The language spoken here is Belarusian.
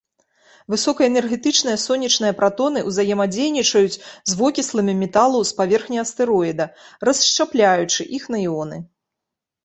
Высокаэнергетычныя сонечныя пратоны ўзаемадзейнічаюць з вокісламі металаў з паверхні астэроіда, расшчапляючы іх на іоны.